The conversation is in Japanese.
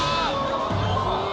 ああ！